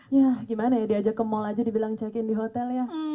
ya gimana ya diajak ke mall aja dibilang check in di hotel ya